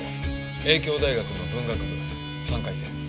英京大学の文学部３回生です。